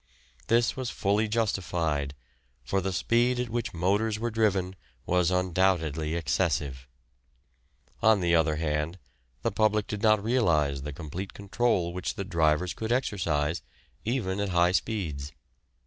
This was fully justified, for the speed at which motors were driven was undoubtedly excessive. On the other hand, the public did not realise the complete control which the drivers could exercise, even at high speeds.